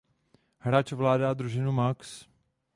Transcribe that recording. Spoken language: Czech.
Hráč ovládá družinu max.